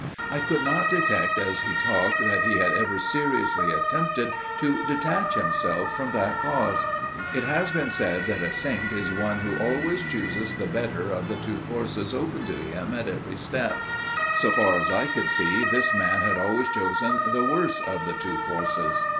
I could not detect as he talked that he had ever seriously attempted to detach himself from that cause. It has been said that a saint is one who always chooses the better of the two courses open to him at every step; so far as I could see this man had always chosen the worse of the two courses.